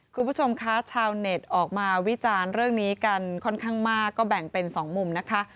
คุณผู้ชมคะชาวเน็ตออกมาวิจารณ์เรื่องนี้กันค่อนข้างมากก็แบ่งเป็นสองมุมนะคะ